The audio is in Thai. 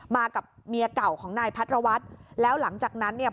มากับเมียเก่าของนายพัทรวัตรแล้วหลังจากนั้นเนี่ย